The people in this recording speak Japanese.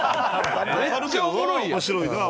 めっちゃおもろいやん！